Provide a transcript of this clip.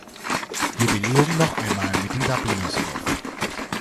Jubiläum noch einmal mit den Dubliners auf.